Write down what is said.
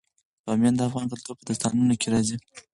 بامیان د افغان کلتور په داستانونو کې راځي.